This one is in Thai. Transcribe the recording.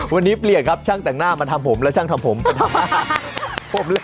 วันนี้เปลี่ยนครับช่างแต่งหน้ามาทำผมและช่างทำผมมาทำหน้า